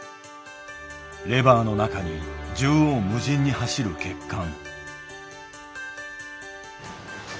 レバーの中に縦横無尽に走る血管。